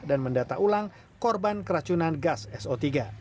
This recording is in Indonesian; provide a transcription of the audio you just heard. dan mendata ulang korban keracunan gas so tiga